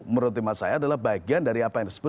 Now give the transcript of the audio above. menurut emak saya adalah bagian dari apa yang disebut